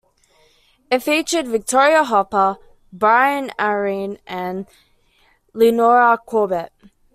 It featured Victoria Hopper, Brian Aherne, and Leonora Corbett.